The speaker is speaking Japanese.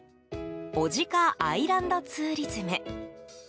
おぢかアイランドツーリズム。